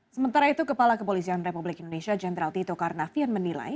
sementara itu kepala kepolisian republik indonesia jenderal tito karnavian menilai